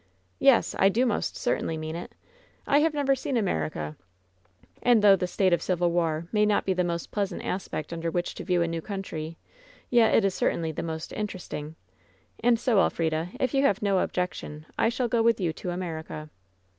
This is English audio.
"Yes; I do most certainly mean it. I have never seen America, and though the state of civil war may not be the most pleasant aspect under which to view a new country, yet it is certainly the most interesting. And so, Elfrida, if you have no objection, I shall go with you to America."